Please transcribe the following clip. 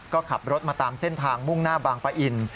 ก็ขับรถมาตามเส้นทางมุ่งหน้าบางปะอิน